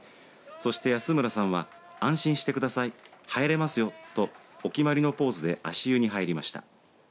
そして安村さんは安心してください、入れますよとお決まりのポーズで足湯に入りました。